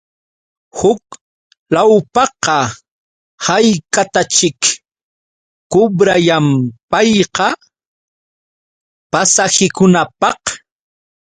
Huk lawpaqa, ¿haykataćhik kubrayan payqa? Pasahikunapaq.